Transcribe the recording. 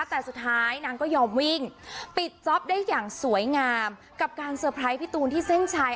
แต่สุดท้ายนางก็ยอมวิ่งปิดจ๊อปได้อย่างสวยงามกับการเตอร์ไพรส์พี่ตูนที่เส้นชัย